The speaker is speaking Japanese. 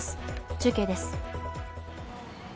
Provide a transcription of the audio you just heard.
中継です。